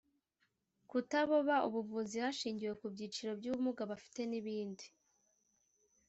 kutaboba ubuvuzi hashingiwe ku byiciro by’ubumuga bafite n’ibindi